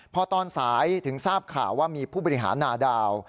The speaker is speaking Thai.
พอตอนสายถึงทราบข่าวว่ามีผู้บริหารนาดาว